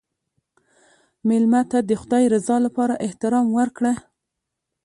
مېلمه ته د خدای رضا لپاره احترام ورکړه.